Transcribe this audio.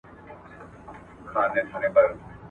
تفریح د ذهن ارامي زیاتوي.